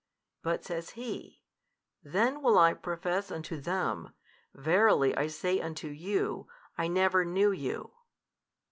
But says He, Then will I profess unto them, Verily I say unto you, I never knew you.